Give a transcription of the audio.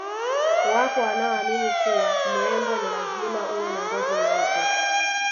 Wapo wanaoamini kuwa mrembo ni lazima uwe na ngozi nyeupe